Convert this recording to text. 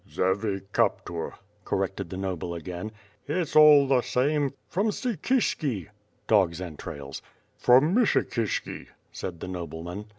"Zervicaptur," corrected the noble again. "If 8 all the same, from Psikishki." (Dog's entrails.) "From Myshikishki," said the nobleman.